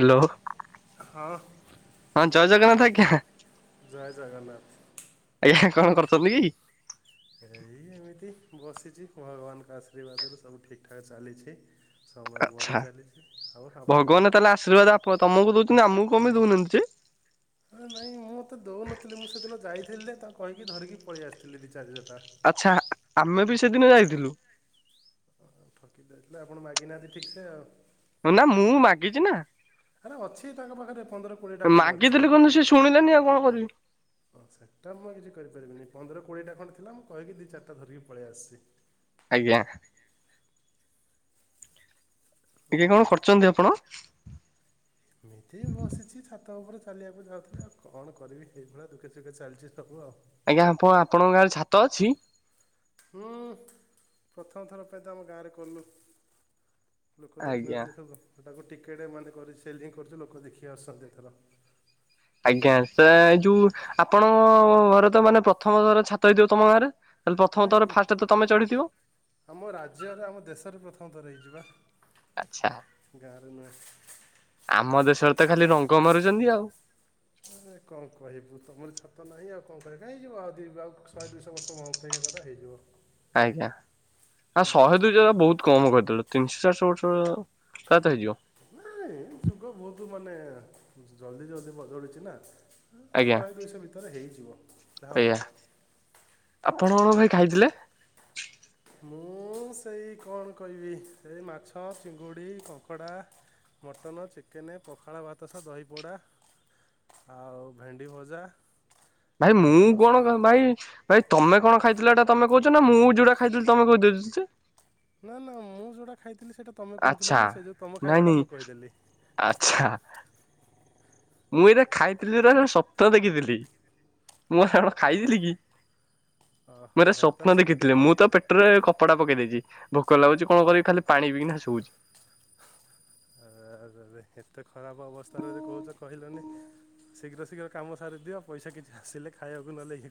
Hello. ହଁ। ହଁ ଜୟ ଜଗନ୍ନାଥ ଆଜ୍ଞା। ଜୟ ଆଜ୍ଞା କଣ ଜଗନ୍ନାଥ। କରୁଛନ୍ତି [unintelligible] କି ଏଇ ଏମିତି ବସି ଭଗବାନଙ୍କ ଆଶୀର୍ବାଦ ରୁ ସବୁ ଠିକ୍ ଠାକ୍ ଚାଲିଚି। ଆଚ୍ଛା। ଭଗବାନ ତାହେଲେ ଆଶୀର୍ବାଦ ଆପ ତମକୁ ଦଉଛ ନା ଆମକୁ କଣ ପାଇଁ ଦଉନାହାନ୍ତି। ନାଇଁ ମୁଁ ମତେ ଦଉନଥିଲେ। ମୁଁ ସେଦିନ ଯାଇଥିଲି ଯେ ତାଙ୍କୁ କହିକି ଧରିକି ପଳେଇ ଆସିଥିଲି। [unintelligible] ଆଚ୍ଛା। ଆମେ ବି ସେଦିନ ଯାଇଥିଲୁ। [unintelligible] ଆପଣ ମାଗିନାହାନ୍ତି ଠିକ୍ ସେ ଆଉ। ନା ମୁଁ ମାଗିଛି ନା। ଆରେ ଅଛି ତାଙ୍କ ପାଖରେ ପନ୍ଦର କୋଡିଏ ଟା ଖଣ୍ଡେ ଅଛି। ମାଗିଥିଲି କିନ୍ତୁ ସେ ଶୁଣିଲାନି ଆଉ କଣ କରିବି ସେଟା ମୁଁ କିଛି କରିପାରିବିନି। ପନ୍ଦର କୋଡ଼ିଏଟା ଖଣ୍ଡେ ଥିଲା। ମୁଁ କହିକି ଦି ଚାରିଟା ଧରିକି ପଳେଇ ଆସିଚି। ଆଜ୍ଞା। ଆଜ୍ଞା ଆଉ କଣ? କରୁଛନ୍ତି ଆପଣ? ଏମିତି ବସିଛି ଛାତ ଉପରେ। କଣ କରିବି ସେଇଥିପାଇଁ ଦୁଃଖେ ସୁଖେ ଚାଲିଛି ସବୁ ଆଉ। ଆଜ୍ଞା ଆପଣ ଆପଣଙ୍କ ଗାଁରେ ଛାତ ଅଛି? ହୁଁ ପ୍ରଥମ ଥର ପାଇଁ ତ ଆମ ଗାଁରେ କଲୁ। ଲୋକ ଆଜ୍ଞା। ଦେଖିିନଥିଲେ ସବୁ। ତାକୁ ଟିକେଟ୍ ମାନେ କରି ସେଲିଙ୍ଗ କରୁଛି ଲୋକ ଦେଖି ଆସୁଛନ୍ତି ଏଥର। ଆଜ୍ଞା ସା ଯୋଉ ଆପଣଙ୍-ଅ-ଅ-ଅ ଘରେ ତ ମାନେ ପ୍ରଥମ ଘର ଛାତ ହେଇଥିବ ତମ ଗାଁରେ? ତାହେଲେ ପ୍ରଥମ ନାଇଁ ଥର ଫାଷ୍ଟ ତ ତମେ ଚଢିଥିବ ଆମ ରାଜ୍ୟରେ, ଆମ ଦେଶରେ ପ୍ରଥମ ଥର ହେଇଚିବା। ଆଚ୍ଛା। ଗାଁ ରେ ନୁଆ ଆମ ଦେଶରେ ତ ଖାଲି ରଙ୍ଗ ମାରୁଛନ୍ତି ଆଉ। ସେ କଣ କହିବୁ ତୁମର ଛାତ ନାହିଁ ଆଉ କଣ କରିବ। ହେଇଯିବ ଆଉ ଦୁଇ ଆଉ ଶହେ ଦୁଇଶହ ବର୍ଷ ଅ ଅପେକ୍ଷା କର ହେଇଯିବ। ଆଜ୍ଞା ଆ ତମର ବି ଶହେ ଦୁଇ ଜ ଛାତ। ବହୁତ କମ କରିଦେଲେ। ତିନିଶହ ଚାରିଶହ ବର୍ଷ-ଅ-ଅ ସାୟାତ ହେଇଯିବ। ନାଇ ଯୁଗ ବହୁତ ମାନେ ଜଲଦି ଜଲଦି ବଦଳୁଛି ନା। ଆଜ୍ଞା ଶହେ ଦୁଇଶହ ଭିତରେ ହେଇଯିବ ଯାହା ଅନୁମାନ। କଣ କଣ ଭାଇ ଖାଇଥିଲେ? ମୁଁ-ଉ-ଉ-ଉ ସେଇ କଣ କହିବି ସେଇ ମାଛ, ଚିଙ୍ଗୁଡ଼ି, କଙ୍କଡ଼ା ମଟନ, ଚିକେନ, ପଖାଳ ଭାତ ସହିତ ଦହିପୋଡ଼ା। ଆଉ ଭେଣ୍ଡି ଭଜା ଭାଇ ମୁଁ ଆଉ କଣ ମାଇ ଭାଇ ତମେ କଣ ଖାଇଥିଲ ଏଇଟା ତମେ କହୁଛ ନା ମୁଁ ଯୋଉଟା ଖାଇଥିଲି ତମେ କହିଦଉଛ ଯେ। ନା ନା ମୁଁ ଯୋଉଟା ଖାଇଥି ସେଇଟା ତୁମେ କହୁଥିଲ ଆଚ୍ଛା ନା ସେ ଯେଉଁ ତମେ ନାଇଁ ଖାଇବାଟା ନାଇଁ ମୁଁ କହିଦେଲି। ଆଚ୍ଛା ମୁଁ ଏଇଟା ଖାଇଥିଲି ରା ରା ସ୍ୱପ୍ନ ଦେଖିଦେଲି। ମୁଁ ସାଙ୍ଗ ଖାଇ ଦେଇଥିଲି କି। ଓହୋ ପୁରା ହୋ ତାହେଲେ ସ୍ୱପ୍ନ ସ- ଦେଖିଥିଲେ। ମୁଁ ତ ପେଟରେ କପଡା ପକେଇ ଦେଇଛି। ଭୋକ ଲାଗୁଛି କଣ କରିବି ଖାଲି ପାଣି ପଇକିିନା ଶୋଉଛି। ଆ-ଆ-ଆ ଏତେ ଖରାପ ଅବସ୍ଥାରେ ଯଦି କହୁଛ କହିଲନି। ଶୀଘ୍ର ଶୀଘ୍ର କାମ ସାରିଦିଅ ପଇସା କିଛି ଆସିଲେ ଖାଇବାକୁ ନଲେ ଇ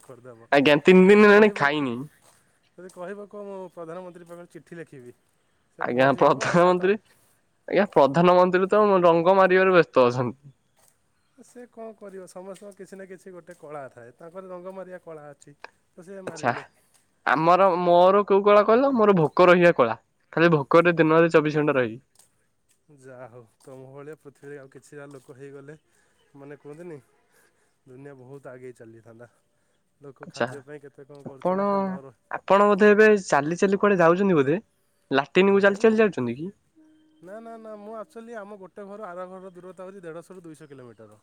ଆଜ୍ଞା ତିନି ଦିନ ହେଲାଣି ଖାଇନି ଯଦି କହିବ କୁହ ମୁଁ ପ୍ରଧାନମନ୍ତ୍ରୀ ପାଖରେ ଚିଠି ଲେଖିବି। ସେ ଆଜ୍ଞା ପହଞ୍ଚିଯିବ ଆଉ ସାତ ପ୍ରଧାନମନ୍ତ୍ରୀ ଆଠ ଆଜ୍ଞା ପ୍ରଧାନମନ୍ତ୍ରୀ ତ ରଙ୍ଗ ମାରିବାରେ ବ୍ୟସ୍ତ ସେମି ସେ କଣ କରିବ ସମସ୍ତଙ୍କ କିଛି ନା କିଛି ଗୋଟେ କଳା ଥାଏ। ତାଙ୍କର ରଙ୍ଗମାରିଆ କଳା ଅଛି। ତ ସେ ଆଛା ମାରିଲେ ଆମର ମୋର କୋଉ କଣ କହିଲ ମୋର ଭୋକ ରହିବା କଳା। ଖାଲି ଭୋକରେ ଦିନରେ ଚବିଶ ଘଣ୍ଟା ରହିବି। ଯାହା ହଉ ତମୋ ଭଳିଆ ପୃଥିବୀରେ ଆଉ କିଛିଟା ଲୋକ ହେଇଗଲେ ମାନେ କୁହନ୍ତିନି ଦୁନିଆ ବହୁତ ଆଗେଇ ଚାଲିଥାନ୍ତା। ଲୋକ ଆଛା ଖାଦ୍ୟ ପାଇଁ କେତେ କଣ ଆପଣ କରୁଛନ୍ତି ସେ ନ ରହି ଆପଣ ବୋଧେ ଏବେ ଚାଲି ଚାଲି କୁଆଡେ ଯାଉଛନ୍ତି ବୋଧେ। ଲାଟିନକୁ ଚାଲି ନାଇଁ ଚାଲି ଯାଉଛନ୍ତି କି? ନା ନା ନା ମୁଁ ଆକଚୁଲି ଆମ ଗୋଟେ ଗୋଟେ ଘରୁ ଆର ଘରର ଦୂରତା ହଉଛି ଦେଢ଼ଶହରୁ ଦୁଇଶହ କିଲୋମିଟର।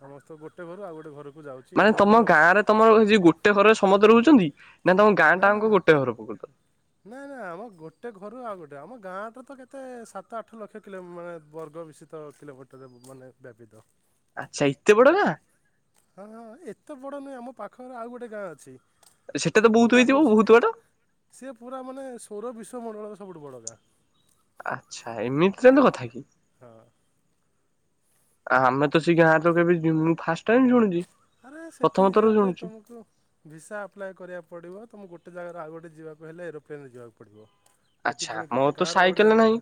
ସମସ୍ତେ ଗୋଟେ ଗୋଟେ ଘରୁ ଆଉ ଗୋଟେ ଘରକୁ। ଯାଉଛି ମାନେ ମୁଁ ତମ ମୋର ଗାଁ ର ତମର ଏ ଯ ଗୋଟେ ଘର ସମସ୍ତେ ରହୁଛନ୍ତି। ନା ତମ ଗାଁ ନା ନା ଟାଙ୍କ ନା, ଗୋଟେ ଘର ପ୍ରକୃତରେ? ନା ନା ଆମ ଗୋଟେ ଘରୁ ଆଉ ଗୋଟେ। ଆମ ଗାଁ ଟ ତ କେତେ ସାତ ଆଠ ଲକ୍ଷ କିଲୋ ମାନେ ବର୍ଗ ବିଶିତ କିଲୋମିଟର ମାନେ ବ୍ୟାପିତ। ଆଚ୍ଛା ଏତେ ବଡ ଗାଁ? ହଁ ହଁ ଏତେ ବଡ ନୁହେଁ ଆମ ପାଖରେ ଆଉ ଗୋଟେ ଗାଁ ଅଛି। ସେଟା ତ ସେ ବହୁତ ପୁରା ହେଇଥିବ ବହୁତ ହଉଛି ବାଟ ସିଏ ପୁରା ମାନେ ସୌର ବିଶ ର ମଣ୍ଡଳର ସବୁଠୁ ବଡ଼ ଗାଁ। ଆଚ୍ଛା ଏମିତି ତାହେଲେ କଥା କି। ହଁ। ଆମେ ତ ସେ ଗାଁ ତ କେବେ ମୁଁ ଫାଷ୍ଟ ଟାଇମ ଶୁଣୁଛି। ଆରେ ପ୍ରଥମ ସେଠିକି ଥର ଯିବା ପାଇଁ ଶୁଣୁଛି। ତୋମକୁ ଭିସା ଆପ୍ଲାଏ କରିବାକୁ ପଡିବ। ତମୋ ଗୋ ଟେ ଜାଗାରୁ ଆଉ ଗୋଟେ ଯିବାକୁ ହେଲେ ଏରୋପ୍ଲେନ୍ ରେ ଯିବାକୁ ପଡ଼ିବ। ସେଠି ଆଚ୍ଛା ପୁଣି ଗୋଟେ ମୋର ତ ଗାଁରୁ ଆଉ ଗୋଟେ ସାଇକେଲ ଗାଁକୁ ନାହିଁ। ଯି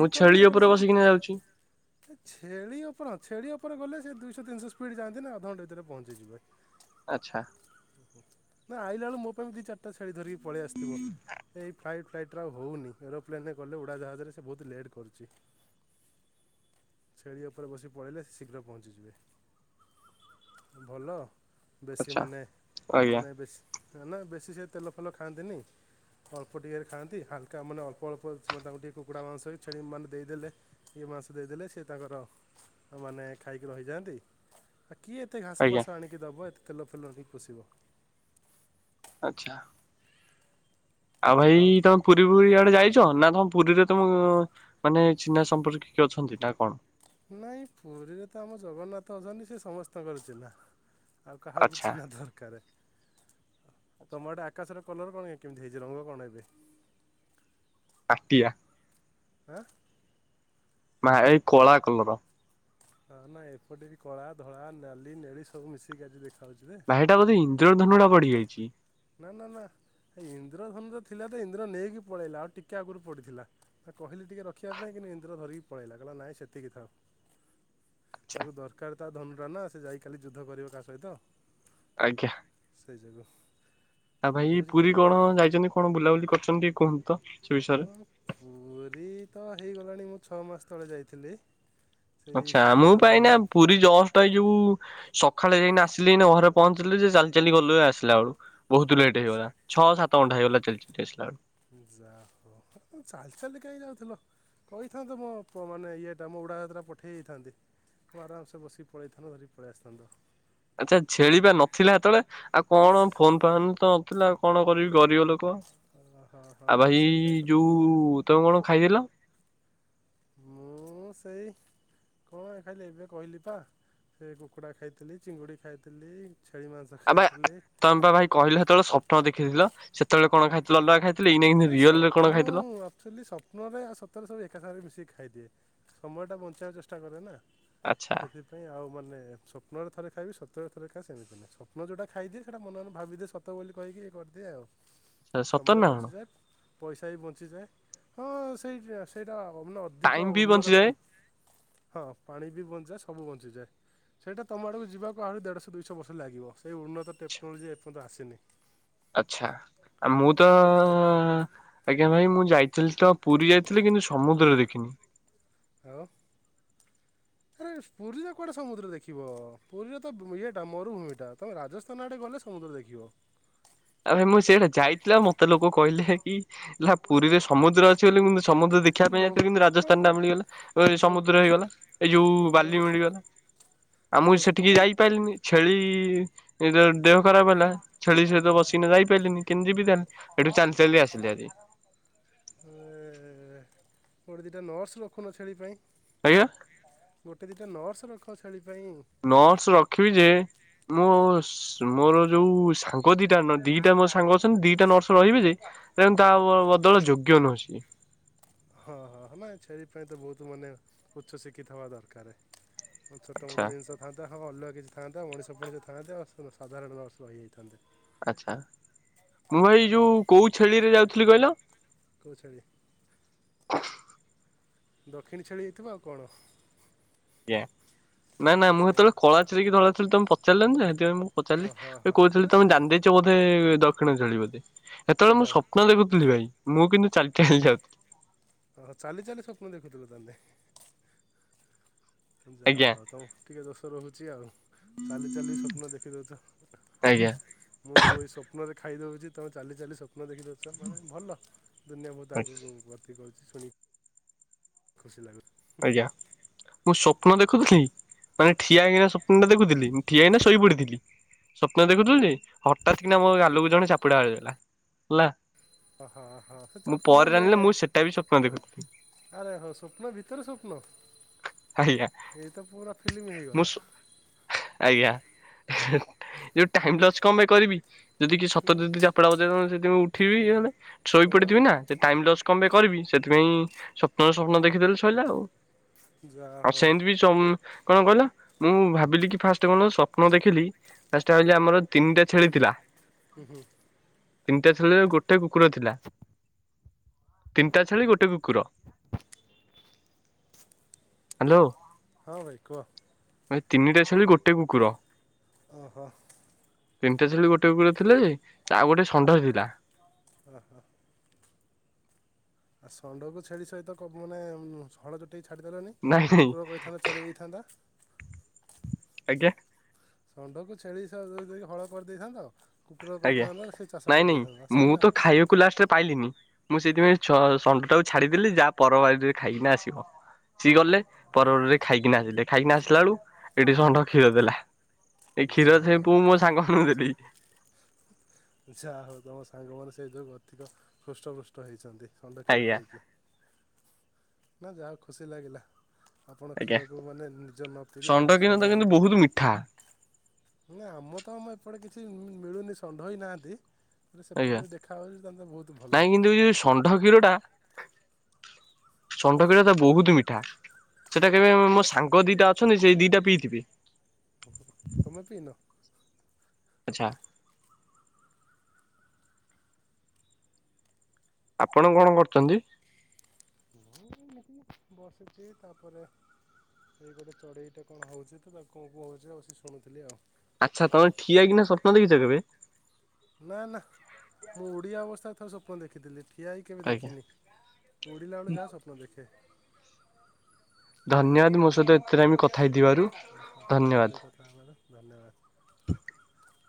ମୁଁ ଛେଳି ଉପରେ ବସିକିନା ଯାଉଛି। ହେ ଛେଳି ଉପର ହଁ ଛେଳି ଉପରେ ଗଲେ ସେ ଦୁଇ ଶହ ତିନିଶହ ସ୍ପିଡ୍ ଯଆନ୍ତି ନା ଅଧଘଣ୍ଟେ ଭିତରେ ପହଞ୍ଚିିଯିବେ। ଆଚ୍ଛା। ନା ଆଇଲାା ବେଳେ ମୋ ପାଇଁ ଦି ଚାରଟା ଛେଳି ଧରିକି ପଳେଇ ଆସିଥିବ। ଏଇ ଫ୍ଲାଇଟ୍ ଫ୍ଲାଇଟ୍ ତ୍ରା ଆଉ ହଉନି ଏରୋପ୍ଲେନ୍ ରେ ଗଲେ ଉଡ଼ାଜାହାଜରେ ସେ ବହୁତ ଲେଟ୍ କରୁଛି। ଛେଳି ଉପରେ ବସି ପଳେଇଲେ ଶୀଘ୍ର ପହଞ୍ଚିଯିବେ। ହଁ ଭଲ। ବେଶୀ ଆଚ୍ଛା ମାନେ ଆଜ୍ଞା ମାନେ ବେଶ ନା ବେଶୀ ସେ ତେଲ ଫେଲ ଖାଆନ୍ତିନି। ଅଳ୍ପ ଟିକେ ଖାଆନ୍ତି ହାଲକା ମାନେ ଅଳ୍ପ ଅଳ୍ପ ତାଙ୍କୁ ଟିକେ କୁକୁଡ଼ା ମାଂସ ଛେଳି ମାନେ ଦେଇଦେଲେ ଇଏ ମାଂସ ଦେଇଦେଲେ ସେ ତାଙ୍କର ମାନେ ଖାଇକି ରହିଯାଆନ୍ତି। ଆଉ କିଏ ଏତେ ଘାସ ଆଜ୍ଞା ଫାସ ଆଣିକି ଦବ ଏତେ ତେଲ ଫେଲ ଦେଇ ପୋଷିବ। ଆଚ୍ଛା। ଆଉ ଭାଇ ତୋମେ ପୁରୀ ପୁରୀ ଇଆଡେ ଯାଇ ଚ। ନା ତୋମ ପୁରୀରେ ତୋମ ମାନେ ଚିହ୍ନା ସମ୍ପର୍କୀୟ କିଏ ଅଛନ୍ତି ନା କଣ? ନାଇଁ ପୁରୀରେ ତ ଆମ ଜଗନ୍ନାଥ ଅଛନ୍ତି ସିଏ ସମସ୍ତଙ୍କର ଚିହ୍ନା। ଆଉ କାହାକୁ ଆଚ୍ଛା। ଚିହ୍ନା ଦରକାର। ତୋମ ଆଡ଼େ ଆକାଶର କଲର୍ କଣ କେମିତି ହେଇଚି ରଙ୍ଗ କଣ ଏବେ? ମାଟିଆ। ଆଁ? ମା ଏଇ କଳା କଲର୍। ହଁ ନା ଏପଟେ ବି କଳା, ଧଳା, ନାଲି, ନେଳି ସବୁ ମିଶିକି ଆଜି ଦେଖା ଭାଇ ସେଟା ବୋଧେ ଇନ୍ଦ୍ରଧନୁ ଟା ପଡିିଯାଇଛି। ନା, ନା, ନା। ହେ ଇନ୍ଦ୍ରଧନୁ ଟା ଥିଲା ଯେ ଇନ୍ଦ୍ର ନେଇକି ପଳେଇଲା ଆଉ ଟିକେ ଆଗରୁ ପଡିଥିଲା। ଆ, କହିଲି ଟିକେ ରଖିବା ପାଇଁ ନେ ଇନ୍ଦ୍ର ଧରିକି ପଳେଇଲା କହିଲା ନାଇଁ ସେତିକି ଥାଉ। [inaudible] ତାକୁ ଦରକାର ତା ଧନୁୁ ଟା ନା ସେ ଯାଇ କାଲି ଯୁଦ୍ଧ କରିବ କାହା ସହିତ। ଆଜ୍ଞା। ସେଇ ଜନ। ଆଉ ଭାଇ ପୁରୀ କଣ ଯାଇଚନ୍ତି? କଣ ବୁଲାବୁଲି କରିଚନ୍ତି ଟିକେ କୁହନ୍ତୁ ତ? ସେ ହଁ ବିଷୟରେ। ପୁରୀ ତ ହେଇଗଲାଣି ମୁଁ ଛଅ ମାସ ତଳେ ଯାଇଥିଲି। ସେଇ ଆଚ୍ଛା ମୁଁ ଶୀତ ପା ଦିନେ ଏଇନା ପୁରୀ ଜଷ୍ଟ ଏଇ ଯୋଉ ସଖାଳେ ଏଇନା ଆସିଲି ଏଇନା ଘରେ ପହଞ୍ଚିଲି ଯେ ଚାଲି ଚାଲି ଗଲେ ଆସିଲା ବେଳୁ ବହୁତ ଲେଟ୍ ହେଇଗଲା। ଛଅ ସାତ ତ ଘଣ୍ଟା ହେଇଗଲା ଚାଲି ଚାଲି କି ଆସିଲା ବେଳୁ। ଯାହା କୁହ ହେ ତୁମେ ଚାଲି ଚାଲି କାହିଁ ଯାଉଥିଲ? କହିଥାନ୍ତ ମୋ ପ-ମାନେ ଇଏଟା ମୋ ଉଡା଼ଜାହାଜ ଟା ପଠେଇ ଦେଇଥାନ୍ତି। ଓ ଆରାମସେ ବସିିକି ପଳେଇଥାନ୍ତ ଧରି ପଳେଇ ଆସିଥାନ୍ତ। ଆଚ୍ଛା ଛେଳି ପା ନଥିଲା ସେତେବେଳେ। ଆଉ ହେସ୍ କଣ ଫୋନ୍ ଫାନ୍ ତ ନଥିଲା ଆଉ କଣ କରିବି ଗରିବ ଲୋ କ। ହଁ ହଁ ହଁ ଆଉ ହଁ ଭାଇ ସେଇଟା ସତ ଯୋଉ କଥା। ତୋମେ କଣ ଖାଇଥିଲ? ମୁଁ ସେଇ କଣ ଖାଇଲି ଏବେ କହିଲି ପା ସେ କୁକୁଡ଼ା ଖାଇଥିଲି ଚିଙ୍ଗୁଡି ଖାଇଥିଲି। ଛେଳି ମାଂସ ଆଉ ବା-ଆ, ଖାଇଥିଲି। ତୋମେ ପା ଭାଇ କହିଲ ସେତେବେଳେ ସ୍ୱପ୍ନ ଦେଖିଥିଲ। ସେତେବେଳେ କଣ ଖାଇଥିଲ ଅଲଗା ଖାଇ ନା ସ ମୁଁ ଆକ୍ଚୁଲି ସ୍ୱପ୍ନରେ ଆଉ ସତରେ ସବୁ ଏକା ସାଙ୍ଗରେ ମିଶି ଖା ଖାଇଦିଏ। ସମୟଟା ବଞ୍ଚେଇବାକୁ ଚେଷ୍ଟା କରେ ନା। ଆଚ୍ଛା ସେଥିପାଇଁ ଆଉ ମାନେ ସ୍ୱପ୍ନରେ ଥରେ ଖାଇବି ସତରେ ଥରେ ଖାଏ ସେମିତି ନା। ସ୍ୱପ୍ନ ଯୋଉଟା ଖାଇଦିଏ ସେଟା ମନ ମନେ ଭାବିଦିଏ ସତ ବୋଲି କହିକି କରି ଦିଏ ଆଉ। ସେ ସମୟ ସତର ନା କଣ? ବଞ୍ଚିଯାଏ ପଇସା ବି ବଞ୍ଚିଯାଏ। ହଁ ସେଇଟା ସେଇଟା ଅନଅ ଅଧିକ ଟାଇମ ବି ବଞ୍ଚିଯାଏ ଉନ୍ନତ ହଁ ପାଣି ବି ବଞ୍ଚିଯାଏ ସବୁ ବଞ୍ଚିଯାଏ। ସେଇଟା ତୁମ ଆଡ଼କୁ ଯିବାକୁ ଆହୁରି ଦେଢ଼ଶହ ଦୁଇଶହ ବର୍ଷ ଲାଗିବ ସେଇ ଉନ୍ନତ ଟେକ୍ନୋଲୋଜି ଏପର୍ଯ୍ୟନ୍ତ ଆସିନି। ଆଛା ଆ ମୁଁ ତ ଆଜ୍ଞା ଭାଇ ମୁଁ ଯାଇଥିଲି ତ ପୁରୀ ଯାଇଥିଲି କି କିନ୍ତୁ ସମୁଦ୍ରରେ ଦେଖିନି। ଆଉ [inaudible] ଏ ପୁରୀରେ କୁଆଡେ ସମୁଦ୍ର ଦେଖିବ ପୁରୀରେ ତ ବ ଇଏଟା ମରୁଭୂମି ଟା ତମେ ରାଜସ୍ଥାନ ଆଡେ ଗଲେ ସମୁଦ୍ର ଦେଖିବ। ଆଉ ଭାଇ ମୁଁ ସେଟା ଯାଇଥିଲା ମତେ ଲୋକ କହିଲେ କି ହେଲା ପୁରୀରେ ସମୁଦ୍ର ଅଛି ବୋଲି ମୁଁ ସମୁଦ୍ର ଦେଖିବା ପାଇଁ ଯାଇଥିଲି କିନ୍ତୁ ରାଜସ୍ଥାନ ଲୋକଙ୍କ ଟା ମିଳିଗଲା ଲୋକ ସମୁଦ୍ର ହେଇଗଲା ଏଇ ଯୋଉ ବାଲି ଲୋକ ମିଳିଗଲା। ଆଉ ମୁଁ ସେଠିକି ଲୋକ ଯାଇପାରିଲିନି ଛେଳି ଏଇ ତ ଦେହ ଖରାପ ହେଲା ଛେଳି ସହିତ ବସିକ ପାରିଲିନି କେମିତି ଯିବି ତାହାଲେ ସେଠୁ ଚାଲି ଚାଲି ଆସିଲି ହାରି ଉ ଗୋଟେ ଦିଟା ନର୍ସ ରଖୁନ ଛେଳି ପାଇଁ। ଆଜ୍ଞା। ଗୋଟେ ଦିଟା ନର୍ସ ରଖ ଛେଳି ପାଇଁ ନର୍ସ ରଖିବି ଯେ ମୁଁ ସ ମୋର ଯୋଉ ସାଙ୍ଗ ଦିଟା ଦିଟା ମୋ ସାଙ୍ଗ ଅଛନ୍ତି ଦିଟା ନର୍ସ ରହିବେ ଯେ କିନ୍ତୁ ତା ବ ବଦଳ ଯୋଗ୍ୟ ନୁହ ସେ। ହଁ ହଁ ନା ଛେଳି ପାଇଁ ତ ବହୁତ ମାନେ ଉଚ୍ଚ ଶିକ୍ଷିତ ହବା ଦରକାର। ଆଚ୍ଛା ଛୋଟମୋଟ ଜିନିଷ ଥାଆନ୍ତା ହଁ ଅଲଗଆ କିଛି ଥାନ୍ତା ମଣିଷ ମଣିଷ ଥାଆନ୍ତେ ଆ ସାଧାରଣ ନର୍ସ ରହିଯାଇଥାନ୍ତେ। ଆଛା ମୁଁ ଭାଇ ଯୋଉ କୋଉ ଛେଳିରେ ଯାଉଥିଲି କହିଲ? କୋଉ ଛେଳି? [inaudible] ଦକ୍ଷିଣି ଛେଳି ହେଇଥିବ ଆଉ କଣ? ଆଜ୍ଞା ନା ନା ହଁ, ମୁଁ ସେ ସେତେବେଳେ କଳା ଛେଳି କି ଧଳା ଛେଳି ତମେ ପଚାରିଲନି ଯେ ସେଥିପାଇଁ ମୁଁ ଓହୋ ପଚାରିଲି ହଁ କହୁଥିଲି ନା ତମେ ଜାଣିଦେଇଛ ବୋଧେ ଦକ୍ଷିଣ ଝେଳି ବୋଲି। ହଁ ସେତେବେଳେ ଦ ମୁଁ ସ୍ୱପ୍ନ ଦେଖୁଥିଲି ଭାଇ ମୁଁ କିନ୍ତୁ ଚାଲି ଚାଲି ଯାଉଥିଲି। ଓ ହୋ ଚାଲି ଚାଲି ସ୍ୱପ୍ନ ଦେଖୁଥିଲ ତାହେଲେ? ଯାହା ଆଜ୍ଞା ହଉ ତମ ଟିକେ ଦୋଷ ରହୁଛି ଆଉ। ଚାଲି ଚାଲି ସ୍ୱପ୍ନ ଦେଖିଦଉଛ। ଆଜ୍ଞା। ମୁଁ ସବୁ ଏଇ ସ୍ୱପ୍ନରେ ଖାଇ ଦେଉଛି ତୁମେ ଚାଲି ଚାଲି ସ୍ୱପ୍ନ ଦେଖି ଦେଉଛ, ମାନେ ଭଲ ଦୁନିଆ ବହୁତ ଆଗକୁ ଗତି କରୁଛି। ଶୁଣି ଖୁସି ଲାଗୁ ଆଜ୍ଞା ମୁଁ ସ୍ୱପ୍ନ ଦେଖୁଥିଲି ମାନେ ଠିଆ ହେଇକିନା ସପ୍ନ ଦେଖୁଥିଲି ଠିଆହେଇକିନା ଶୋଇ ପଡିଥିଲି। ସ୍ୱପ୍ନ ଦେଖୁଥିଲୁ ଯେ ହଠାତ୍ କିନା ମୋ ଗାଲକୁ ଜଣେ ଚାପୁଡା ମାରିଦେଲା, ହେଲା। ଓ ହଁ ହ ସେ ମୁଁ ଚାପୁଡା ପରେ ଜାଣିଲି ନୁହେଁ ମୁଁ ସେଟା ବି ସ୍ୱପ୍ନ ଦେଖୁଥିଲି ଆରେ ହଁ ସ୍ଵପ୍ନ ଭିତର ସ୍ୱପ୍ନ ଆଜ୍ଞା ଏତ ପୁରା ଫିଲ୍ମ ମୁଁ ହେଇଗଲା। ସୁ ଆଜ୍ଞା ଯୋଉ ଟାଇମ୍ ଲସ୍ କଣ ପାଇଁ କରିବି। ଯଦି କିଏ ସତରେ ଯଦି ଚାପଡ଼ା ବଜେଇ ଦେବ ସେ ଯଦି ମୁଁ ଉଠିବି ଇଆଡ଼େ ଶୋଇ ପଡିଥିବି ନା ଟାଇମ୍ ଲସ୍ କଣ ପାଇଁ କରିବି ସେଥିପାଇଁ ସ୍ୱପ୍ନରୁ ସ୍ୱପ୍ନ ଦେଖିଦେଲେ ଶଇଲା ଆଉ ଯା ଆଉ ହଉ ସେମ୍ ତିବି ସ କଣ କହିଲ ମୁଁ ଭାବିଲି କି ଫାଷ୍ଟ କଣ ସ୍ଵପ୍ନ ଦେଖିଲି। ଫାର୍ଷ୍ଟ ଆମର ତିନିଟା ଛେଳି ଥିଲା। ହୁଁ ହୁଁ ତିନିଟା ଛେଳିରେ ଗୋଟେ କୁକୁର ଥିଲା। ତିନିଟା ଛେଳି ଗୋଟେ କୁକୁର। ହ୍ୟାଲୋ ହଁ ଭାଇ କୁହ? ଖାଲି ଗୋଟେ କୁକୁର। ଓହୋ ତିନିଟା ଛେଳି ଗୋଟେ କକୁର ଥିଲେ ଯେ ଆଉ ଗୋଟେ ଷଣ୍ଢ ଥିଲା। ଓ ହୋ। ଆ ଷଣ୍ଡକୁ ଛେଳି ସହିତ କ ମାନେ ହଳ ରେ ଟିକେ ଛାଡ଼ିଦେଲନି ନାଇଁ ନାଇଁ କୁକୁର କହିଥାନ୍ତା ଚରେଇ ଦେଇ ଥାନ୍ତା? ଆଜ୍ଞା। ଷଣ୍ଢକୁ ଛେଳି ସହ ଦେଇକି ଯଦି ହଳ କରିଦେଇଥାନ୍ତ? କୁକୁର ଆଜ୍ଞା କହିଥାନ୍ତା ସେ ଚାଷ ନାଇଁ ନାଇଁ କରିଦେଇଥାନ୍ତା ମୁଁ ସଇଲା। ତ ଖାଇବାକୁ ଲାଷ୍ଟରେ ପାଇଲିନି। ମୁଁ ସେଇଥିପାଇଁ ସ ଷଣ୍ଢ ଟାକୁ ଛାଡିଦେଲି ଯାହା ପର ବାରୀରେ ଖାଇକିନା ଆସିବ। ସିଏ ଗଲେ ପର ବାଡ଼ିରେ ଖାଇକିନା ଆସିଲେ ଖାଇକି ନା ଆସିଲା ବେଳୁ ଏଠି ଷଣ୍ଢ କ୍ଷୀର ଦେଲା। ଏଇ କ୍ଷୀର ସେ ଯା ପୁ ମୋ ସାଙ୍ଗଙ୍କୁ ଦେଲି। ଯାହା ହଉ ତମ ସାଙ୍ଗମାନେ ସେଇଥି ଯୋଗୁଁ ଅଧିକ ହୃଷ୍ଟପୃଷ୍ଟ ହେଇଛନ୍ତି। ଷଣ୍ଡ କ୍ଷୀର ଆଜ୍ଞା ଖାଇକି ନା ଯାହା ହଉ ଖୁସି ଲାଗିଲା। ଆପଣ ଆଜ୍ଞା। କ୍ଷୀରକୁ ମାନେ ନିଜ ନ ପିଇକି ଷଣ୍ଢ କ୍ଷୀର ଟା କିନ୍ତୁ ସାଙ୍ଗମାନଙ୍କୁ ବହୁତ ମିଠା ନା ଆମ ତ ଆମ ଏପଟେ କିଛି ମିଳୁନି ଷଣ୍ଢ ହେଇ ନାହାନ୍ତି। ହେଲେ ଆଜ୍ଞା ସେପଟେ ଦେଖା ହେଉଛି ତାହେଲେ ବହୁତ ଭଲ ନାଇଁ କିନ୍ତୁ ଏ ଯୋଉ ଷଣ୍ଢ କ୍ଷୀର ଟା। ଷଣ୍ଡ କ୍ଷୀରଟା ତ ବହୁତ ମିଠା। ସେଟା କେବେ ମୋ ସାଙ୍ଗ ଦିଟା ଅଛନ୍ତି ସେଇ ଦିଟା ପିଇଥିବେ? ତମେ ପିଇନ? ଆଚ୍ଛା। ଆପଣ କଣ କରୁଛନ୍ତି? ମୁଁ ଏମିତି ବସିଛି ତାପରେ ଏଇ କଟେ ଚଢେଇଟେ କଣ ହଉଛି ତ ତାକୁ କୁ କୁ ହଉଛି ତ ବସି ଶୁଣୁଥିଲି ଆଉ। ଆଚ୍ଛା ତମେ ଠିଆ ହେଇକିନା ସ୍ୱପ୍ନ ଦେଖଛ କେବେ? ନା ନା ମୁଁ ଓଡିଆ ଅବସ୍ଥାରେ ଥର ସ୍ୱପ୍ନ ଦେଖିଥିଲି। ଠିଆ ହେଇକି କେବେ ଆଜ୍ଞା। ଦେଖିନି ମୁଁ ଉଡ଼ିଲା ବେଳେ ଯାହା ସ୍ୱପ୍ନ ଦେଖେ। ଧନ୍ୟବାଦ ମୋ ସହିତ ଏଥିରେ ଆମେ କଥା ହେଇ ଓହୋ ଆପଣଙ୍କ ସହ କଥା ହେବାରୁ ଧନ୍ୟବାଦ।